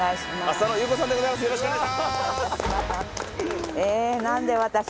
浅野ゆう子さんでございます